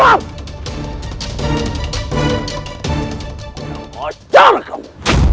udah majar kamu